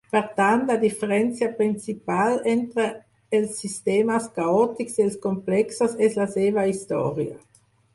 Per tant, la diferència principal entre els sistemes caòtics i els complexos és la seva història.